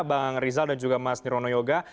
bang rizal dan juga mas nirwono yoga